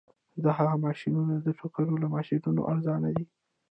د هغه ماشینونه د ټوکر له ماشینونو ارزانه دي